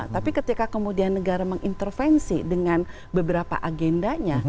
tapi ketika kemudian negara mengintervensi dengan beberapa agendanya